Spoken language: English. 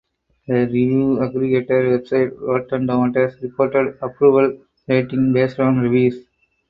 The review aggregator website Rotten Tomatoes reported approval rating based on reviews.